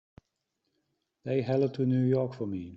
Say hello to New York for me.